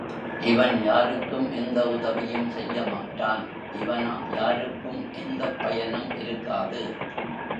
இவன் யாருக்கும் எந்த உதவியும் செய்யமாட்டான் இவனால் யாருக்கும் எந்தப் பயனும் இருக்காது.